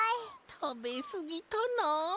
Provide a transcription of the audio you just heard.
たべすぎたなあ。